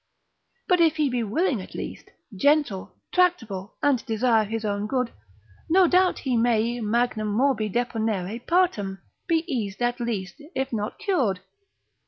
But if he be willing at least, gentle, tractable, and desire his own good, no doubt but he may magnam morbi deponere partem, be eased at least, if not cured.